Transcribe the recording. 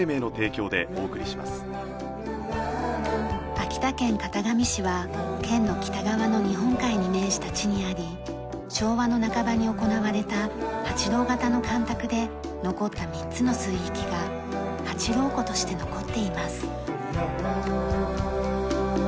秋田県潟上市は県の北側の日本海に面した地にあり昭和の半ばに行われた八郎潟の干拓で残った３つの水域が八郎湖として残っています。